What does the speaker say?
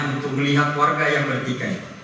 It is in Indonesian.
untuk melihat warga yang bertikai